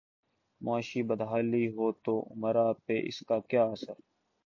معاشی بدحالی ہو توامراء پہ اس کا کیا اثر؟